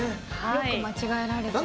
よく間違えられちゃう。